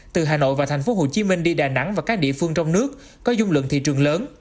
từ hà nội và thành phố hồ chí minh đi đà nẵng và các địa phương trong nước có dung lượng thị trường lớn